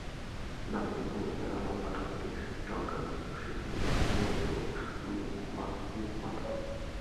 নান্দনিক ভঙ্গিতে এরা লম্বা ঠোঁটটি জলকাদার ভেতরে সেঁধিয়ে দেয়, প্রয়োজনে মুখ-মাথাও।